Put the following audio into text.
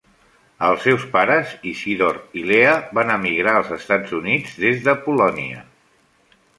Els seus pares, Isidor i Leah, van emigrar als Estats Units des de Polònia.